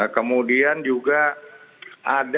kemudian juga ada